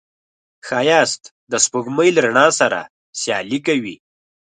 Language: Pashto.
ښایست د سپوږمۍ له رڼا سره سیالي کوي